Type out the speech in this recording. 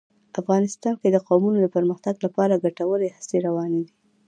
افغانستان کې د قومونه د پرمختګ لپاره ګټورې هڅې روانې دي.